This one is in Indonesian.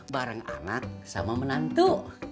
bareng anak sama menantu